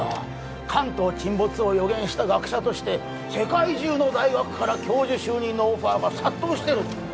関東沈没を予言した学者として世界中の大学から教授就任のオファーが殺到してる